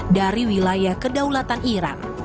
dari wilayah kedaulatan irak